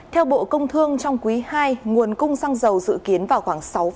theo bộ công thương trong quý hai nguồn cung xăng dầu dự kiến vào khoảng